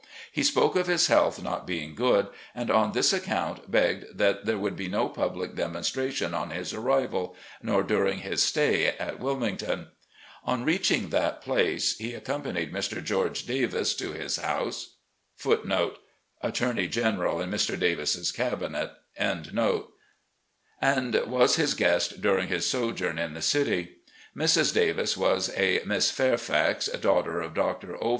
He spoke of his health not being good, and on this account begged that there would be no public demonstration on his arrival, nor during his stay at Wilmington. On reaching that place, he accompanied Mr. George THE SOUTHERN TRIP 401 Davis* to his house and was his g^est during his sojourn in the city. Mrs. Davis was a Miss Fairfax, daughter of Dr. O.